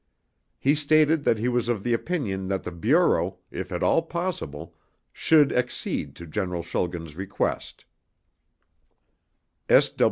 He stated that he was of the opinion that the Bureau, if at all possible, should accede to General Schulgen's request.